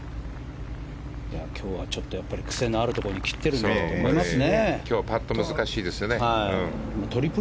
今日はちょっと癖のあるところに切ってると思いますね。